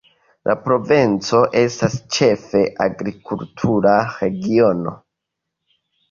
La provinco estas ĉefe agrikultura regiono.